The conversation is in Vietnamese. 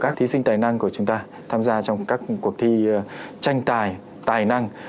các thí sinh tài năng của chúng ta tham gia trong các cuộc thi tranh tài tài năng